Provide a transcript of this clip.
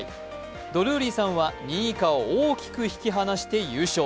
ドルーリーさんは２位以下を大きく引き離して優勝。